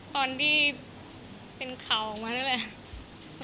ตอนที่เป็นข่าวออกมานั่นแหละ